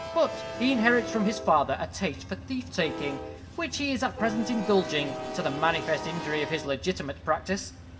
But he inherits from his father a taste for thief taking, which he is at present indulging, to the manifest injury of his legitimate practice.